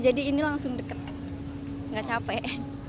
jadi ini langsung deket gak capek